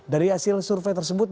dari hasil survei tersebut